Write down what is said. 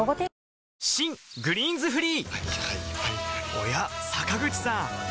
おや坂口さん